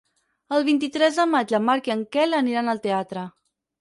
El vint-i-tres de maig en Marc i en Quel aniran al teatre.